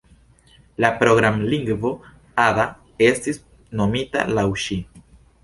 La programlingvo Ada estis nomita laŭ ŝi.